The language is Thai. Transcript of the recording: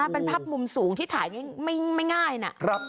เป็นภาพมุมสูงที่ถ่ายนี่ไม่ง่ายนะ